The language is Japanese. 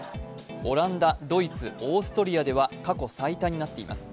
オランダ、ドイツ、オーストリアでは過去最多になっています。